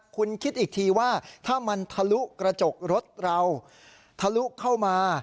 คุณคิดอีกทีว่าถ้ามันทะลุกระจกรถเราทะลุเข้ามา